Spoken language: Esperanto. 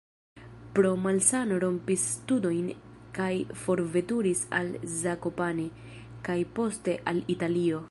Pro malsano rompis studojn kaj forveturis al Zakopane, kaj poste al Italio.